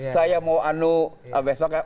saya mau anu besoknya